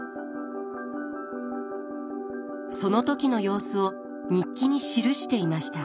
その時の様子を日記に記していました。